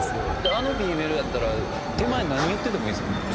あのＢメロやったら手前何言っててもいいですもんね。